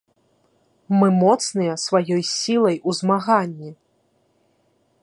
Мы моцныя сваёй сілай у змаганні!